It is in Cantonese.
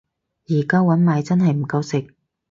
而家搵埋都真係唔夠食